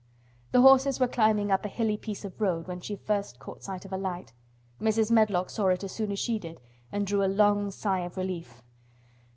The horses were climbing up a hilly piece of road when she first caught sight of a light. Mrs. Medlock saw it as soon as she did and drew a long sigh of relief.